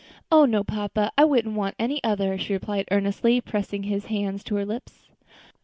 "Oh! no, papa, I wouldn't want any other," she replied earnestly, pressing his hand to her lips.